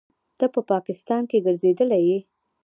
ته په پاکستان کښې ګرځېدلى يې.